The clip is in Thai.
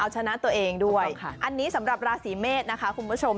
เอาชนะตัวเองด้วยถูกต้องค่ะอันนี้สำหรับราศีเมฆนะคะคุณผู้ชม